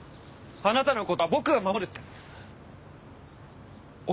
あなたのことは僕が護るって。